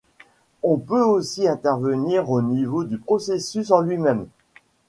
On peut aussi intervenir au niveau du processus en lui-même.